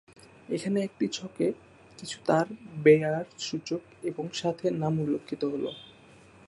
এখানে একটি ছকে কিছু তারার বেয়ার সূচক এবং সাথে মূল নাম উল্লেখিত হল।